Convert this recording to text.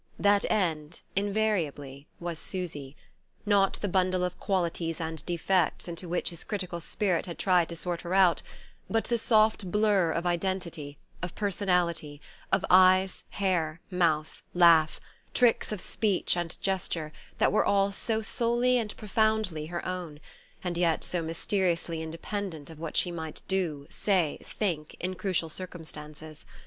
That end, invariably, was Susy; not the bundle of qualities and defects into which his critical spirit had tried to sort her out, but the soft blur of identity, of personality, of eyes, hair, mouth, laugh, tricks of speech and gesture, that were all so solely and profoundly her own, and yet so mysteriously independent of what she might do, say, think, in crucial circumstances.